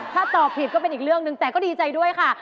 ถ้าตอบผิดก็เป็นอีกเรื่องหนึ่งแต่ก็ดีใจด้วยค่ะ